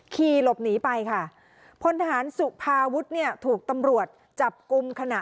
ขี่หลบหนีไปค่ะพลทหารสุภาวุฒิเนี่ยถูกตำรวจจับกลุ่มขณะ